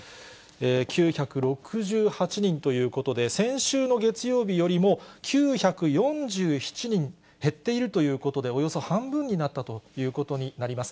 ９６８人ということで、先週の月曜日よりも９４７人減っているということで、およそ半分になったということになります。